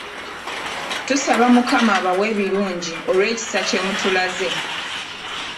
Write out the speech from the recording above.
Tusaba mukama abawe ebirungi olw’ekisa kye mutulaze.